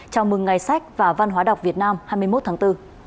chào mừng ngày sách và văn hóa đọc việt nam hai mươi một tháng bốn